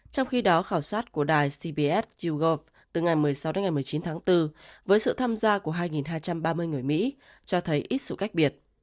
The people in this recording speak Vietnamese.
trong khi đó khảo sát của đài cbs google từ ngày một mươi sáu đến ngày một mươi chín tháng bốn với sự tham gia của hai hai trăm ba mươi người mỹ cho thấy ít sự cách biệt